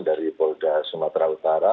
dari polda sumatera utara